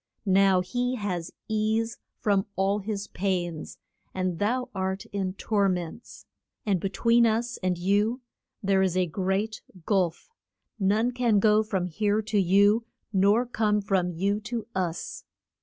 Now he has ease from all his pains and thou art in tor ments. And be tween us and you there is a great gulf; none can go from here to you, nor come from you to us.